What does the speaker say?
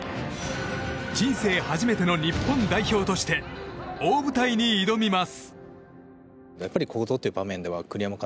人生初めての日本代表として大舞台に挑みます。